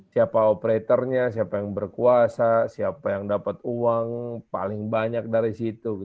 siapa operatornya siapa yang berkuasa siapa yang dapat uang paling banyak dari situ